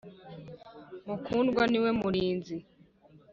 mukundwa ni we murinzi